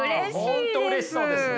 本当うれしそうですね。